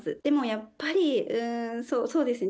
やっぱりうんそうですね